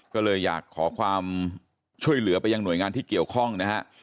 ก็เลยอยากขอความช่วยเหลือไปยังหน่วยงานที่เกี่ยวข้องนะฮะ